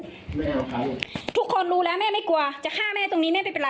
ไม่เอาเขาทุกคนรู้แล้วแม่ไม่กลัวจะฆ่าแม่ตรงนี้แม่ไม่เป็นไร